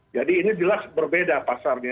jadi ini jelas berbeda pasarnya